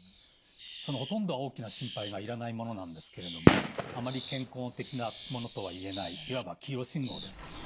そのほとんどは大きな心配がいらないものなんですけれどもあまり健康的なものとは言えないいわば黄色信号です。